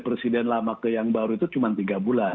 presiden lama ke yang baru itu cuma tiga bulan